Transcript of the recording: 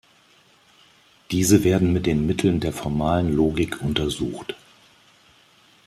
Diese werden mit den Mitteln der formalen Logik untersucht.